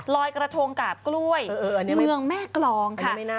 ลอยกระทงกาบกล้วยเมืองแม่กรองค่ะ